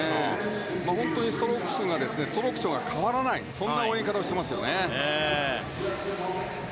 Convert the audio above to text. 本当にストローク調が変わらないそんな泳ぎ方をしていますよね。